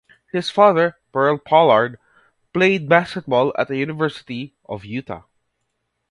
His father, Pearl Pollard, played basketball at the University of Utah.